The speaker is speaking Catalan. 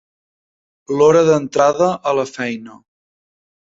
L'hora d'entrada a la feina.